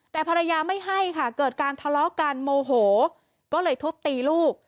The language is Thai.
แต่ภรรยาไม่ให้ค่ะเกิดการทะเลาะกันโมโหก็เลยทุบตีลูก